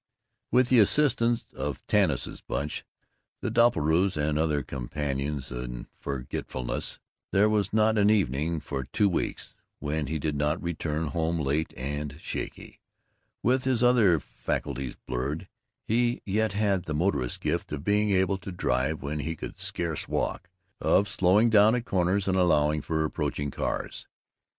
With the assistance of Tanis's Bunch, the Doppelbraus, and other companions in forgetfulness, there was not an evening for two weeks when he did not return home late and shaky. With his other faculties blurred he yet had the motorist's gift of being able to drive when he could scarce walk; of slowing down at corners and allowing for approaching cars.